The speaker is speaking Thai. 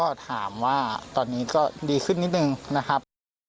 ก็ถามว่าตอนนี้ก็ดีขึ้นนิดนึงนะครับ